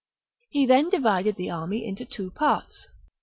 He then divided the army into two parts.